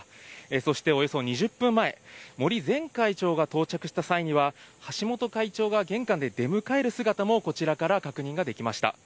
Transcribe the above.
そしておよそ２０分前、森前会長が到着した際には、橋本会長が玄関で出迎える姿も、こちらから確認ができました。